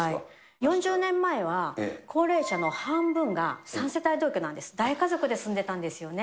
４０年前は、高齢者の半分が３世帯同居なんです、大家族で住んでたんですよね。